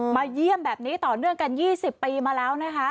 เยี่ยมแบบนี้ต่อเนื่องกัน๒๐ปีมาแล้วนะคะ